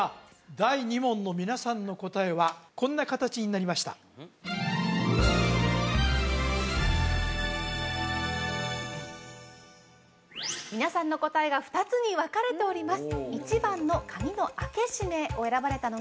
第２問の皆さんの答えはこんな形になりました皆さんの答えが２つに分かれております